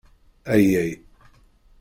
Ayay!